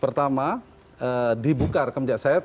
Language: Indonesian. pertama dibuka rekomendasi saya